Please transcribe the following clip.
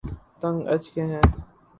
تنگ آچکے ہیں